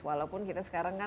walaupun kita sekarang kan